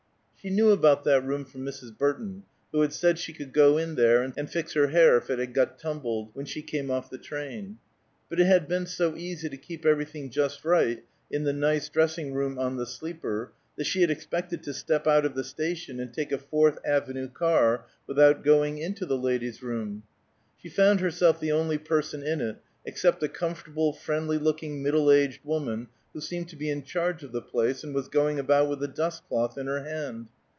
She knew about that room from Mrs. Burton, who had said she could go in there, and fix her hair if it had got tumbled, when she came off the train. But it had been so easy to keep everything just right in the nice dressing room on the sleeper that she had expected to step out of the station and take a Fourth Avenue car without going into the ladies room. She found herself the only person in it, except a comfortable, friendly looking, middle aged woman, who seemed to be in charge of the place, and was going about with a dust cloth in her hand.